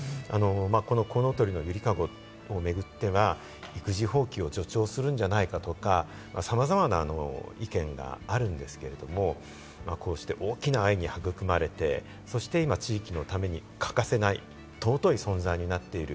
この、こうのとりのゆりかごをめぐっては育児放棄を助長するんじゃないかとか、さまざまな意見があるんですけれども、こうして大きな愛に育まれて、そして今、地域のために欠かせない尊い存在になっている。